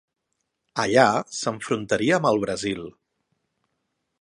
Allà s'enfrontaria amb el Brasil.